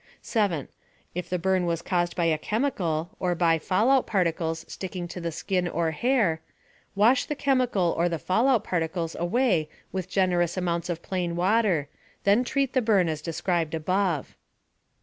7. If the burn was caused by a chemical or by fallout particles sticking to the skin or hair wash the chemical or the fallout particles away with generous amounts of plain water, then treat the burn as described above.